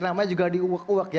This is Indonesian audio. namanya juga di uok uok